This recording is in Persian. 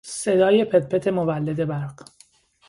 صدای پت پت مولد برق